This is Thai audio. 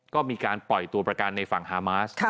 กับการปล่อยประกันในฝั่งฮามาซ